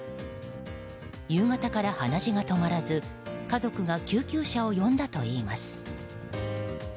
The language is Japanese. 夕方から鼻血が止まらず家族が救急車を呼んだといいます。